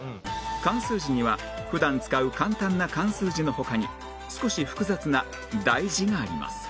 漢数字には普段使う簡単な漢数字の他に少し複雑な大字があります